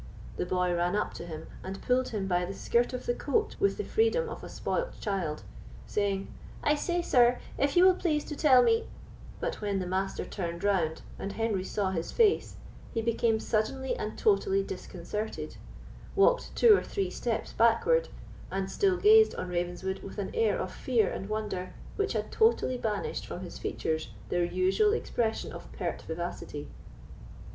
The boy ran up to him, and pulled him by the skirt of the coat with the freedom of a spoilt child, saying, "I say, sir, if you please to tell me——" but when the Master turned round, and Henry saw his face, he became suddenly and totally disconcerted; walked two or three steps backward, and still gazed on Ravenswood with an air of fear and wonder, which had totally banished from his features their usual expression of pert vivacity.